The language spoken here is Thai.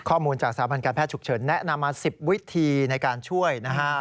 ข้อมูลจากสถาบันการแพทย์ฉุกเฉินแนะนำมา๑๐วิธีในการช่วยนะฮะ